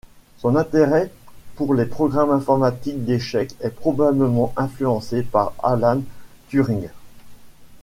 Son intérêt pour les programmes informatiques d'échecs est probablement influencé par Alan Turing.